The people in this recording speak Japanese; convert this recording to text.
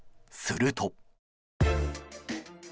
すると。